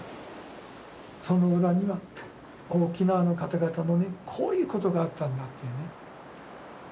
その裏には沖縄の方々のねこういうことがあったんだというね。